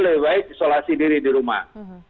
lebih baik isolasi diri di rumah